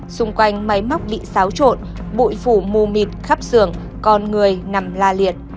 xung quanh máy móc bị xáo trộn bụi phủ mù mịt khắp sườn con người nằm la liệt